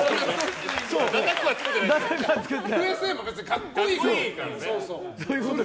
「Ｕ．Ｓ．Ａ．」も別に格好いいからね。